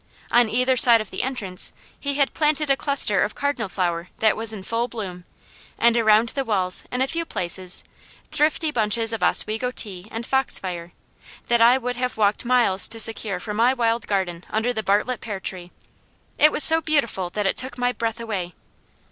On either side of the entrance he had planted a cluster of cardinal flower that was in full bloom, and around the walls in a few places thrifty bunches of Oswego tea and foxfire, that I would have walked miles to secure for my wild garden under the Bartlett pear tree. It was so beautiful it took my breath away.